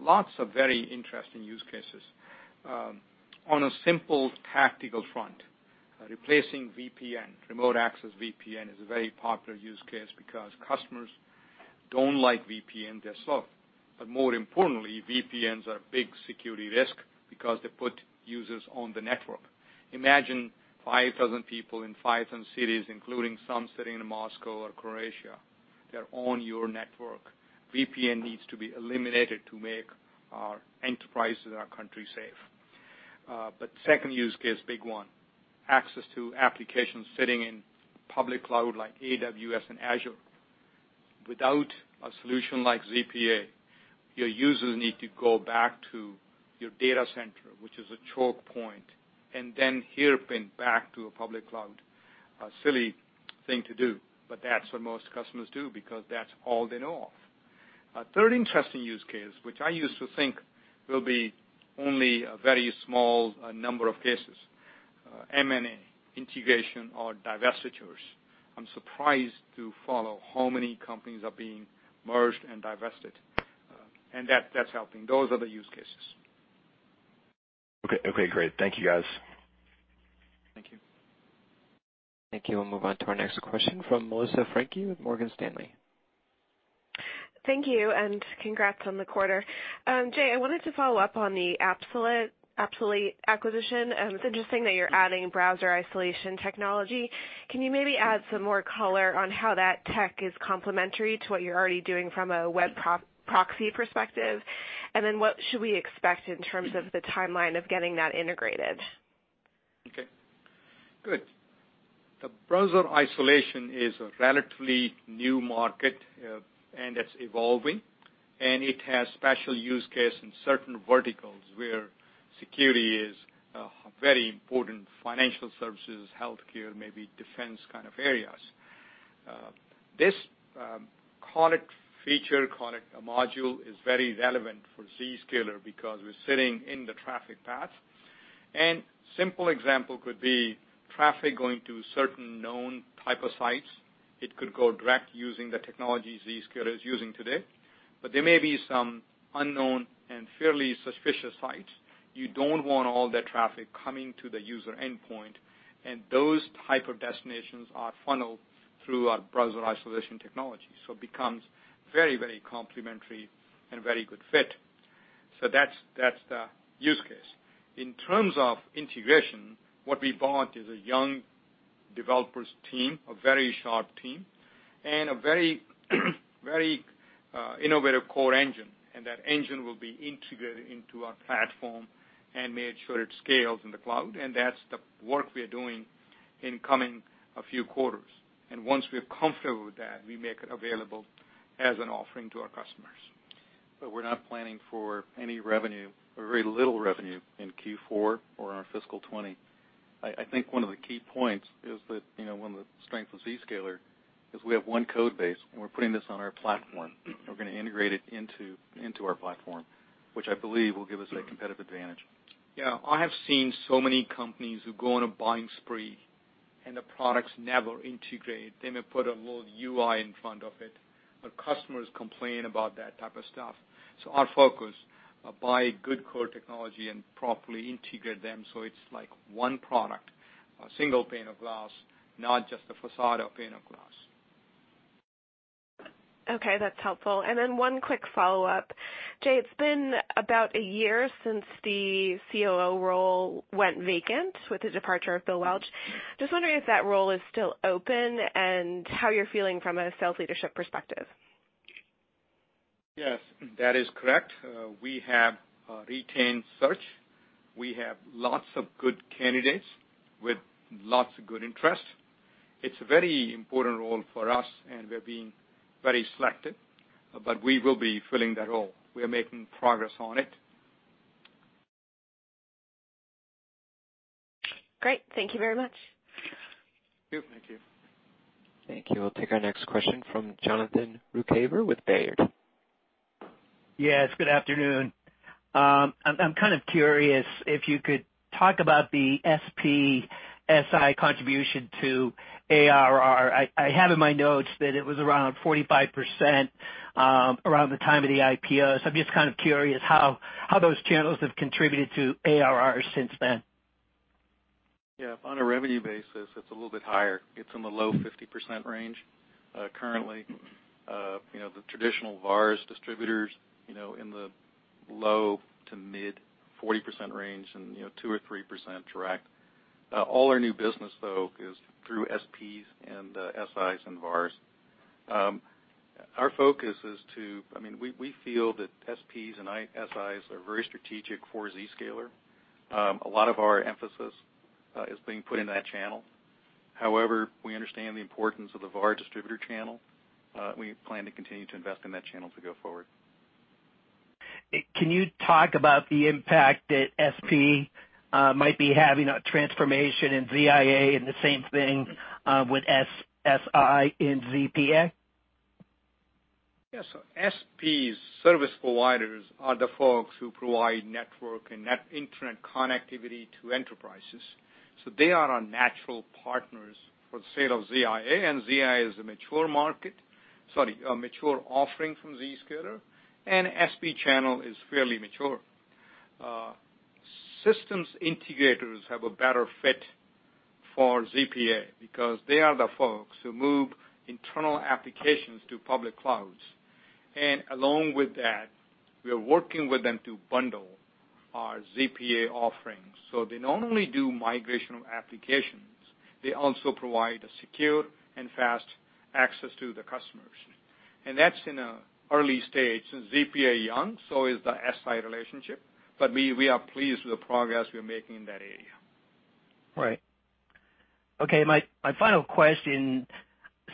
Lots of very interesting use cases. On a simple tactical front, replacing VPN, remote access VPN, is a very popular use case because customers don't like VPNs. They're slow. More importantly, VPNs are a big security risk because they put users on the network. Imagine 5,000 people in 5,000 cities, including some sitting in Moscow or Croatia. They're on your network. VPN needs to be eliminated to make our enterprises and our country safe. Second use case, big one, access to applications sitting in public cloud like AWS and Azure. Without a solution like ZPA, your users need to go back to your data center, which is a choke point, and then hairpin back to a public cloud. A silly thing to do, but that's what most customers do because that's all they know of. A third interesting use case, which I used to think will be only a very small number of cases, M&A, integration or divestitures. I'm surprised to follow how many companies are being merged and divested. That's helping. Those are the use cases. Okay, great. Thank you, guys. Thank you. Thank you. We'll move on to our next question from Meta Marshall with Morgan Stanley. Thank you, and congrats on the quarter. Jay, I wanted to follow up on the Appsulate acquisition. It's interesting that you're adding browser isolation technology. Can you maybe add some more color on how that tech is complementary to what you're already doing from a web proxy perspective? What should we expect in terms of the timeline of getting that integrated? Okay. Good. The browser isolation is a relatively new market, and it's evolving, and it has special use case in certain verticals where security is a very important financial services, healthcare, maybe defense kind of areas. This, call it feature, call it a module, is very relevant for Zscaler because we're sitting in the traffic path. Simple example could be traffic going to certain known type of sites. It could go direct using the technology Zscaler is using today. There may be some unknown and fairly suspicious sites. You don't want all that traffic coming to the user endpoint, and those type of destinations are funneled through our browser isolation technology. It becomes very, very complementary and very good fit. That's the use case. In terms of integration, what we bought is a young developers team, a very sharp team, and a very innovative core engine, and that engine will be integrated into our platform and made sure it scales in the cloud, and that's the work we are doing in coming a few quarters. Once we're comfortable with that, we make it available as an offering to our customers. We're not planning for any revenue or very little revenue in Q4 or in our fiscal 2020. I think one of the key points is that, one of the strengths of Zscaler is we have one code base, and we're putting this on our platform. We're going to integrate it into our platform, which I believe will give us a competitive advantage. Yeah. I have seen so many companies who go on a buying spree and the products never integrate. They may put a little UI in front of it, but customers complain about that type of stuff. Our focus, buy good core technology and properly integrate them so it's like one product, a single pane of glass, not just a facade of pane of glass. Okay, that's helpful. One quick follow-up. Jay, it's been about a year since the COO role went vacant with the departure of Bill Welch. Just wondering if that role is still open and how you're feeling from a sales leadership perspective. Yes, that is correct. We have retained search. We have lots of good candidates with lots of good interest. It's a very important role for us, and we're being very selective, but we will be filling that role. We are making progress on it. Great. Thank you very much. Thank you. Thank you. We'll take our next question from Jonathan Ruykhaver with Baird. Yes, good afternoon. I'm kind of curious if you could talk about the SP/SI contribution to ARR. I have in my notes that it was around 45% around the time of the IPO, so I'm just kind of curious how those channels have contributed to ARR since then. Yeah, on a revenue basis, it's a little bit higher. It's in the low 50% range. Currently, the traditional VARs distributors in the low to mid 40% range and 2% or 3% direct. All our new business, though, is through SPs and SIs and VARs. We feel that SPs and SIs are very strategic for Zscaler. A lot of our emphasis is being put in that channel. However, we understand the importance of the VAR distributor channel. We plan to continue to invest in that channel to go forward. Can you talk about the impact that SP might be having a transformation in ZIA in the same thing, with SI in ZPA? Yes. SPs, service providers are the folks who provide network and internet connectivity to enterprises. They are our natural partners for the sale of ZIA, and ZIA is a mature offering from Zscaler, and SP channel is fairly mature. Systems integrators have a better fit for ZPA because they are the folks who move internal applications to public clouds. Along with that, we are working with them to bundle our ZPA offerings. They not only do migrational applications, they also provide a secure and fast access to the customers. That's in an early stage since ZPA is young, so is the SI relationship. We are pleased with the progress we're making in that area. Right. Okay. My final question,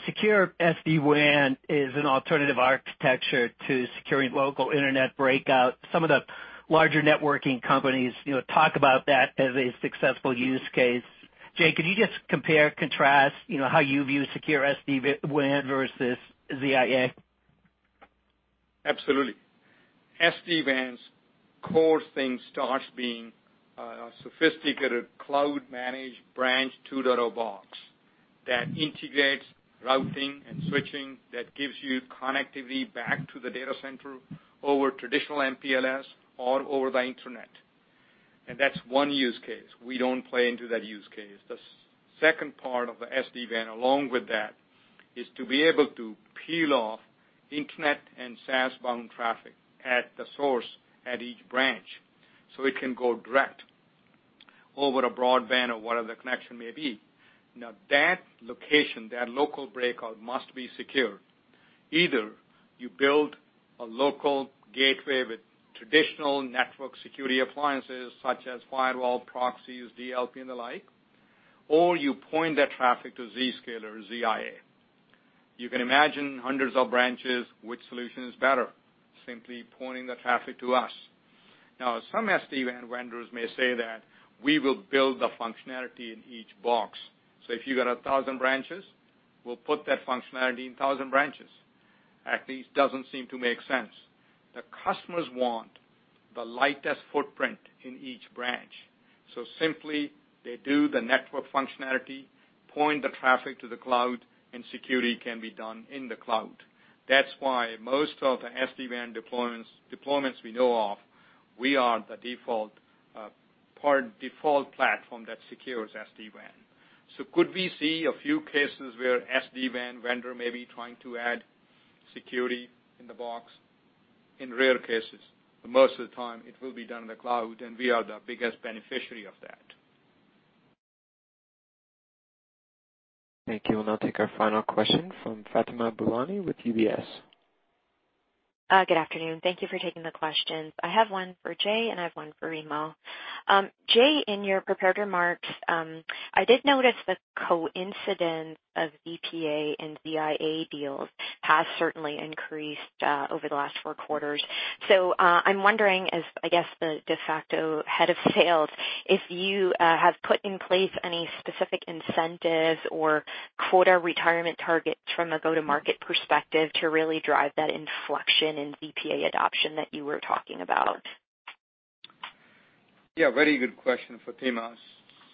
secure SD-WAN is an alternative architecture to securing local internet breakout. Some of the larger networking companies talk about that as a successful use case. Jay, could you just compare, contrast, how you view secure SD-WAN versus ZIA? Absolutely. SD-WAN's core thing starts being a sophisticated cloud-managed branch 2.0 box that integrates routing and switching that gives you connectivity back to the data center over traditional MPLS or over the internet. That's one use case. We don't play into that use case. The second part of the SD-WAN, along with that, is to be able to peel off internet and SaaS-bound traffic at the source at each branch, so it can go direct over a broadband or whatever the connection may be. That location, that local breakout must be secure. Either you build a local gateway with traditional network security appliances such as firewall proxies, DLP, and the like, or you point that traffic to Zscaler ZIA. You can imagine hundreds of branches, which solution is better, simply pointing the traffic to us. Some SD-WAN vendors may say that we will build the functionality in each box. If you got 1,000 branches, we'll put that functionality in 1,000 branches. At least doesn't seem to make sense. The customers want the lightest footprint in each branch. Simply they do the network functionality, point the traffic to the cloud, and security can be done in the cloud. That's why most of the SD-WAN deployments we know of, we are the default platform that secures SD-WAN. Could we see a few cases where SD-WAN vendor may be trying to add security in the box? In rare cases, but most of the time it will be done in the cloud, and we are the biggest beneficiary of that. Thank you. We'll now take our final question from Fatima Boolani with UBS. Good afternoon. Thank you for taking the questions. I have one for Jay, and I have one for Remo. Jay, in your prepared remarks, I did notice the coincidence of ZPA and ZIA deals has certainly increased, over the last four quarters. I'm wondering as, I guess the de facto head of sales, if you have put in place any specific incentives or quota retirement targets from a go-to-market perspective to really drive that inflection in ZPA adoption that you were talking about. Yeah, very good question, Fatima.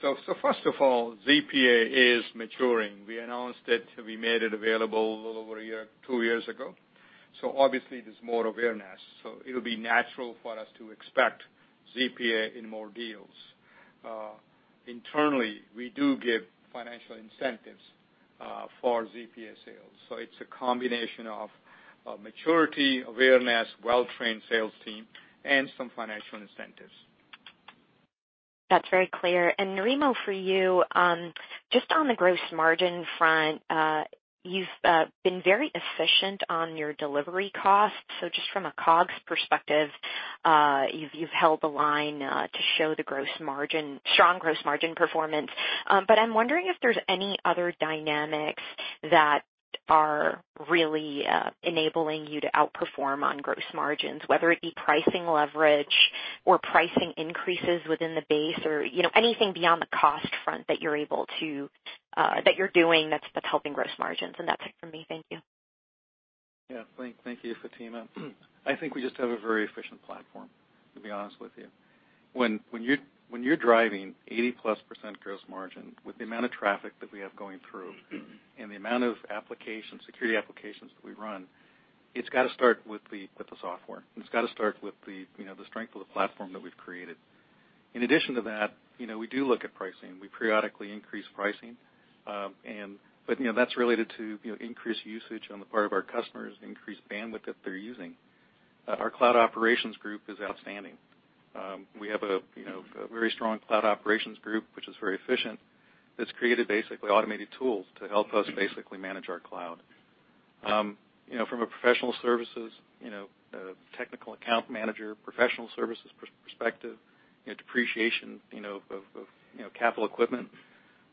First of all, ZPA is maturing. We announced it. We made it available a little over a year, two years ago, obviously there's more awareness. It'll be natural for us to expect ZPA in more deals. Internally, we do give financial incentives for ZPA sales. It's a combination of maturity, awareness, well-trained sales team, and some financial incentives. That's very clear. Remo, for you, just on the COGS front, you've been very efficient on your delivery costs. Just from a COGS perspective, you've held the line to show the strong gross margin performance. I'm wondering if there's any other dynamics that are really enabling you to outperform on gross margins, whether it be pricing leverage or pricing increases within the base or anything beyond the cost front that you're doing that's helping gross margins. That's it for me. Thank you. Thank you, Fatima. I think we just have a very efficient platform, to be honest with you. When you're driving 80+% gross margin with the amount of traffic that we have going through and the amount of security applications that we run, it's got to start with the software. It's got to start with the strength of the platform that we've created. In addition to that, we do look at pricing. We periodically increase pricing, but that's related to increased usage on the part of our customers, increased bandwidth that they're using. Our cloud operations group is outstanding. We have a very strong cloud operations group, which is very efficient, that's created basically automated tools to help us basically manage our cloud. From a professional services, technical account manager, professional services perspective, depreciation of capital equipment,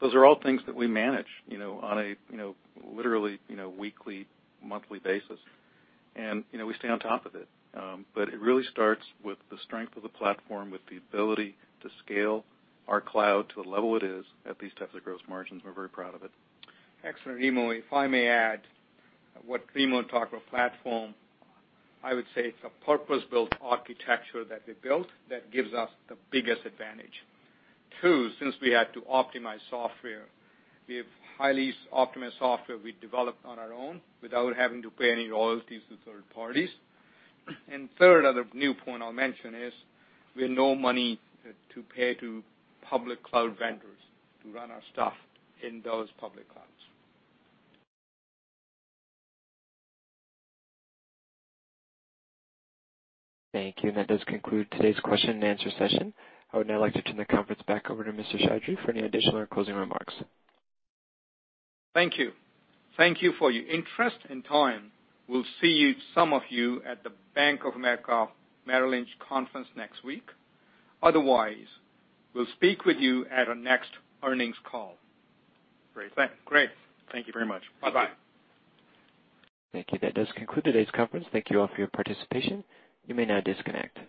those are all things that we manage on a literally weekly, monthly basis. We stay on top of it. It really starts with the strength of the platform, with the ability to scale our cloud to the level it is at these types of gross margins. We're very proud of it. Excellent, Remo. If I may add, what Remo talked about platform, I would say it's a purpose-built architecture that we built that gives us the biggest advantage. Two, since we had to optimize software, we have highly optimized software we developed on our own without having to pay any royalties to third parties. Third, another new point I'll mention is we have no money to pay to public cloud vendors to run our stuff in those public clouds. Thank you. That does conclude today's question-and-answer session. I would now like to turn the conference back over to Mr. Chaudhry for any additional or closing remarks. Thank you. Thank you for your interest and time. We'll see some of you at the Bank of America Merrill Lynch conference next week. Otherwise, we'll speak with you at our next earnings call. Great. Great. Thank you very much. Bye-bye. Thank you. That does conclude today's conference. Thank you all for your participation. You may now disconnect.